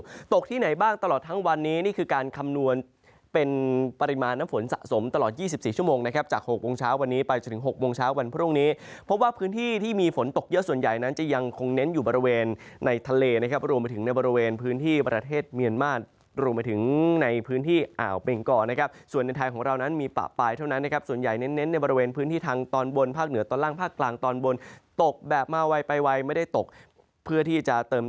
มีฝนตกอยู่ตกที่ไหนบ้างตลอดทั้งวันนี้นี่คือการคำนวณเป็นปริมาณน้ำฝนสะสมตลอด๒๔ชั่วโมงนะครับจาก๖โมงเช้าวันนี้ไปถึง๖โมงเช้าวันพรุ่งนี้เพราะว่าพื้นที่ที่มีฝนตกเยอะส่วนใหญ่นั้นจะยังคงเน้นอยู่บริเวณในทะเลนะครับรวมมาถึงในบริเวณพื้นที่ประเทศเมียนมาสรวมมาถึงในพื้นที่